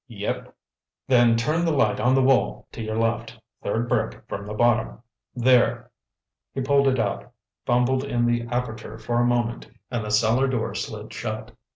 "Yep." "Then turn the light on the wall to your left—third brick from the bottom—there!" He pulled it out, fumbled in the aperture for a moment and the cellar door slid shut.